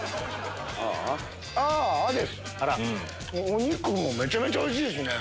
お肉もめちゃめちゃおいしいですね。